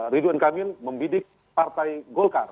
ridwan kamil membidik partai golkar